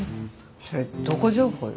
それどこ情報よ？